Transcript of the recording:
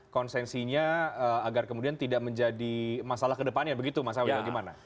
konsensinya agar kemudian tidak menjadi masalah ke depannya begitu mas wadidaw gimana